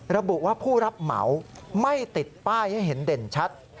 ระบุว่าผู้รับเหมาไม่ติดป้ายให้เห็นเด่นชัด